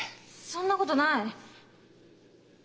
そんなことない。